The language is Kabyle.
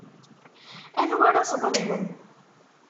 Anwa ara sḍelmen?